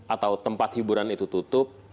atau tempat hiburan itu tutup